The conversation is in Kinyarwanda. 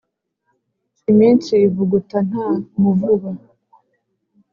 Iminsi ivuguta nta muvuba.